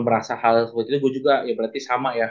merasa hal seperti itu gue juga ya berarti sama ya